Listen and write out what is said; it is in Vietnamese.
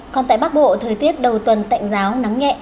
còn tại bắc bộ thời tiết đầu tuần tạnh giáo nắng nhẹ